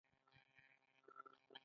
احمد له علي څخه سر وپېچه.